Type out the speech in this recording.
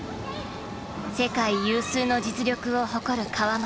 世界有数の実力を誇る川本。